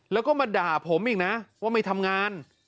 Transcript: แล้วก็มาด่าผมอีกนะว่าไม่ทำงาน